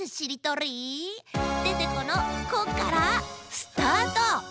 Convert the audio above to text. デテコの「コ」からスタート！